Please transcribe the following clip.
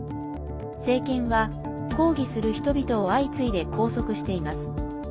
政権は抗議する人々を相次いで拘束しています。